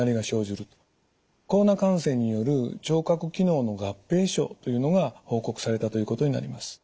コロナ感染による聴覚機能の合併症というのが報告されたということになります。